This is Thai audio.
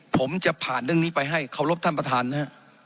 ผมจะผ่านเรื่องนี้ไปให้เคารพท่านประธานนะฮะ